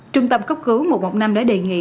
trung tâm cấp cứu một trăm một mươi năm đã đề nghị